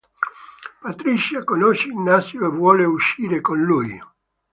Patricia conosce Ignacio e vuole uscire con lui.